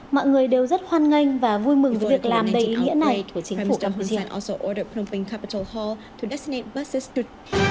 mọi người đều rất hoan nghênh và vui mừng với việc làm đầy ý nghĩa này của chính phủ campuchia